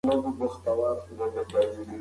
واردات باید له قواعدو سره سم وي.